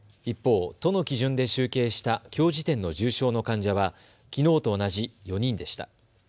一方、都の基準で集計したきょう時点の重症の患者はきのうと同じ４人でした。